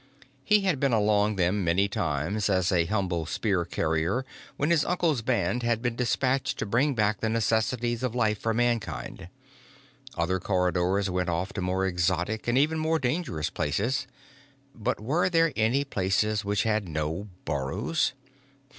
He had been along them many times as a humble spear carrier when his uncle's band had been dispatched to bring back the necessities of life for Mankind. Other corridors went off to more exotic and even more dangerous places. But were there any places which had no burrows?